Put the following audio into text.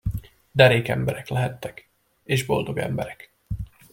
Derék emberek lehettek, és boldog emberek!